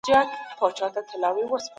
ما په کتابچه کي یو ښکلی بیت وليکلو.